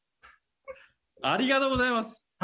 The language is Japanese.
ありがとうございます。